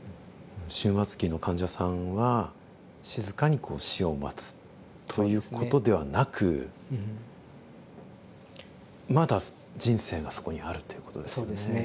終末期の患者さんは静かにこう死を待つということではなくまだ人生がそこにあるということですね。